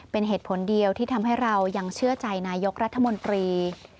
เป็นเหตุผลเดียวที่ทำให้เรายังเชื่อใจนายกรัฐมนตรี